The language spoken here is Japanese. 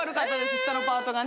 下のパートがね。